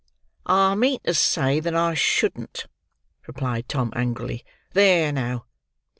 "I mean to say that I shouldn't," replied Tom, angrily. "There, now.